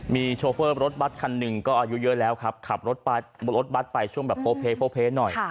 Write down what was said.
มีโชเฟอร์รถบัตรคันหนึ่งก็อายุเยอะแล้วครับขับรถบัตรไปช่วงแบบโพเพหน่อย